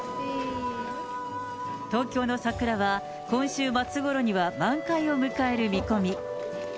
東京の桜は、今週末ごろには満開を迎える見込み。